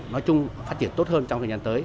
nói chung phát triển tốt hơn trong thời gian tới